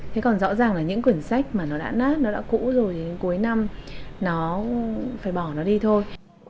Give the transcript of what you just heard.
thế còn rõ ràng là những quyển sách mà nó đã nát nó đã cũ rồi đến cuối năm nó phải bỏ nó đi thôi